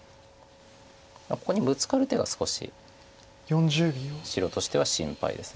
ここにブツカる手が少し白としては心配です。